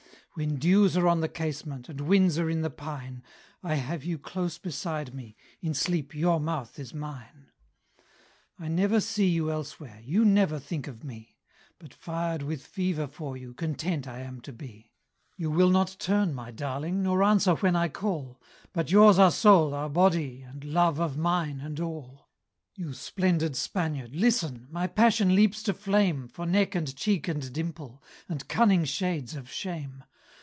When dews are on the casement, And winds are in the pine, I have you close beside me In sleep your mouth is mine. I never see you elsewhere; You never think of me; But fired with fever for you Content I am to be. You will not turn, my Darling, Nor answer when I call; But yours are soul are body And love of mine and all! You splendid Spaniard! Listen My passion leaps to flame For neck and cheek and dimple, And cunning shades of shame!